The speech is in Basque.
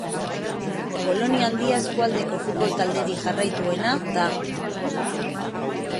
Polonia Handia eskualdeko futbol talderik jarraituena da.